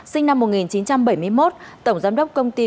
sinh năm một nghìn chín trăm bảy mươi một tổng giám đốc công ty